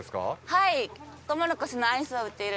はい。